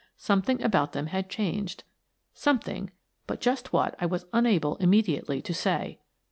Something 1 about them had changed — some thing, but just what I was unable immediately to say.